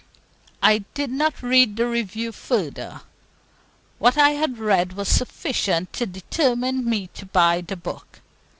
I did not read the review further; what I had read was sufficient to determine me to buy the book.